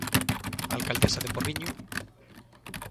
Alcaldesa de Porriño.